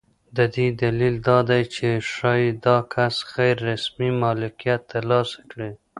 د دې دلیل دا دی چې ښایي دا کس غیر رسمي مالکیت ترلاسه کړي.